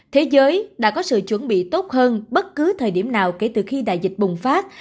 thế giới đã có sự chuẩn bị tốt hơn bất cứ thời điểm nào kể từ khi đại dịch bùng phát